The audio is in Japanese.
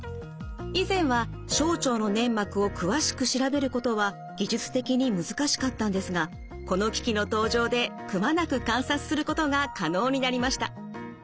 以前は小腸の粘膜を詳しく調べることは技術的に難しかったんですがこの機器の登場でくまなく観察することが可能になりました。